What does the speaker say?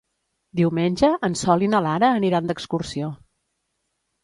Diumenge en Sol i na Lara aniran d'excursió.